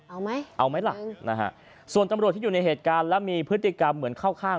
เอาไหมเอาไหมล่ะนะฮะส่วนตำรวจที่อยู่ในเหตุการณ์แล้วมีพฤติกรรมเหมือนเข้าข้าง